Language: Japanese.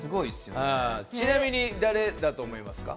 ちなみに誰だと思いますか？